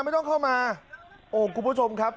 ไม่ต้องเข้ามาโอ้คุณผู้ชมครับ